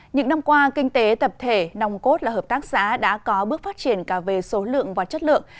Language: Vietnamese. những năm qua kinh tế tập thể nòng cốt là hợp tác xã đã có bước phát triển cả về số lượng và chất lượng